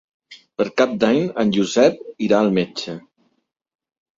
Per Cap d'Any en Josep irà al metge.